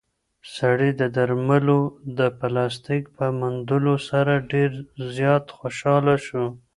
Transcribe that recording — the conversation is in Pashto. سړی د درملو د پلاستیک په موندلو سره ډېر زیات خوشحاله شو.